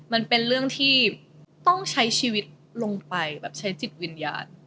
มันเป็นเรื่องที่ต้องใช้ชีวิตลงไปแบบใช้จิตวิญญาณ